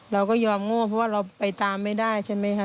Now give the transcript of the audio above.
เราก็ยอมโง่เพราะว่าเราไปตามไม่ได้ใช่ไหมคะ